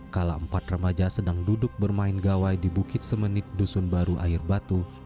kalau empat remaja sedang duduk bermain gawai di bukit semenit dusun baru air batu